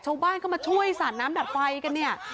ช่องบ้านเข้ามาช่วยสระน้ำดัดไฟกันเนี่ย